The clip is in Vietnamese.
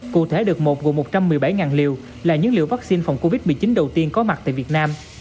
cụ thể đợt một gồm một trăm một mươi bảy liều là những liều vaccine phòng covid một mươi chín đầu tiên có mặt tại việt nam